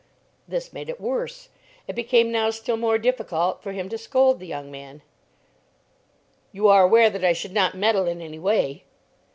This made it worse. It became now still more difficult for him to scold the young man. "You are aware that I should not meddle in any way."